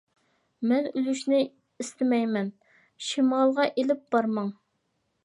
مەن ئۆلۈشنى ئىستىمەيمەن، شىمالغا ئېلىپ بارماڭ.